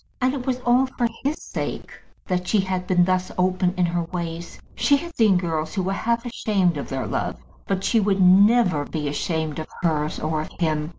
And it was all for his sake that she had been thus open in her ways. She had seen girls who were half ashamed of their love; but she would never be ashamed of hers or of him.